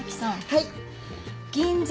はい。